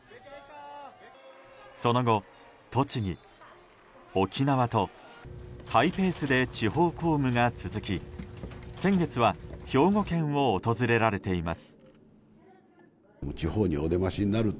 その後、栃木、沖縄とハイペースで地方公務が続き先月は兵庫県を訪れられています。